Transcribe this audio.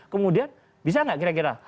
kemudian bisa nggak kira kira